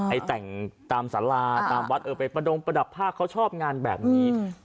แต่งตามสาราตามวัดเออไปประดงประดับภาคเขาชอบงานแบบนี้